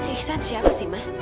iksan siapa sih ma